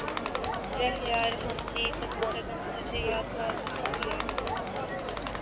رہ یار ہم نے قدم قدم تجھے یادگار بنا دیا